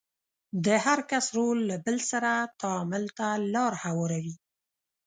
د هر کس رول له بل سره تعامل ته لار هواروي.